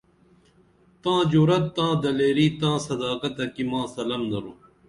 تاں جُرت تاں دلیری تاں صداقتہ کی ماں سلام درو